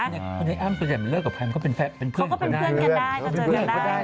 เน่อ้ำก็แค่เป็นเลือกกับแพรมเขาก็เป็นเพื่อนกันได้